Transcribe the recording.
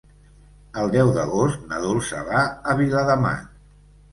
El deu d'agost na Dolça va a Viladamat.